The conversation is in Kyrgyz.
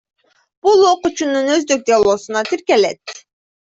Бул окуучунун өздүк делосуна тиркелет.